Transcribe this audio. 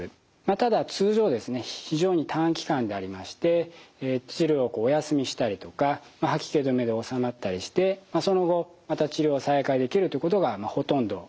ただ通常非常に短期間でありまして治療をお休みしたりとか吐き気止めで収まったりしてその後また治療が再開できるってことがほとんどでございます。